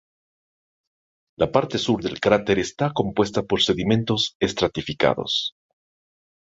La parte sur del cráter está compuesta por sedimentos estratificados.